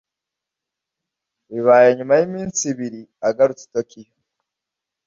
Bibaye nyuma yiminsi ibiri agarutse i Tokiyo.